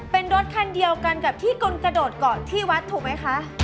เป็นรถคันเดียวกันกับที่คุณกระโดดเกาะที่วัดถูกไหมคะ